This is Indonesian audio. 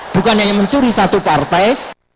bukan hanya mencuri satu partai